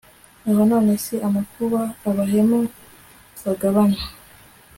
aho none si amakuba abahemu bagabana